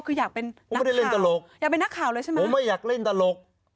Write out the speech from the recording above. คืออยากเป็นนักข่าวอยากเป็นนักข่าวเลยใช่ไหมครับผมไม่ได้เล่นตลก